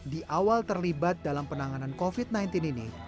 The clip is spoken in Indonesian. di awal terlibat dalam penanganan covid sembilan belas ini